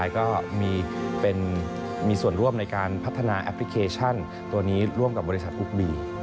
ก็มีส่วนร่วมในการพัฒนาแอปพลิเคชันตัวนี้ร่วมกับบริษัทอุ๊บบี